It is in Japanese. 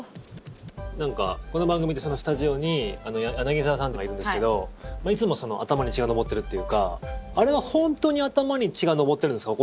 この番組ってスタジオに柳澤さんとかいるんですけどいつも頭に血が上っているというかあれは本当に頭に血が上ってるんですか？